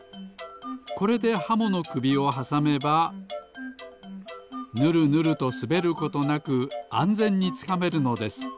これでハモのくびをはさめばぬるぬるとすべることなくあんぜんにつかめるのです。